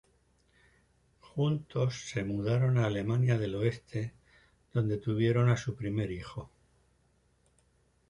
Juntos se mudaron a Alemania del Oeste donde tuvieron a su primer hijo.